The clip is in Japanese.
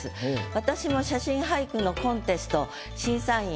私も写真俳句のコンテスト審査員